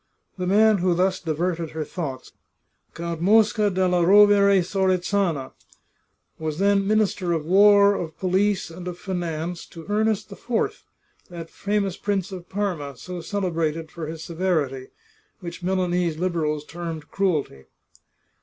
The man who thus diverted her thoughts, Count Mosca della Rovere Sorezana, was then Minister of War, of Police, and of Fi nance to Ernest IV, that famous Prince of Parma, so cele brated for his severity, which Milanese Liberals termed cruel ty.